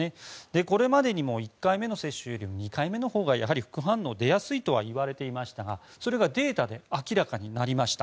これまでにも１回目の接種よりも２回目のほうがやはり副反応が出やすいとはいわれていましたがそれがデータで明らかになりました。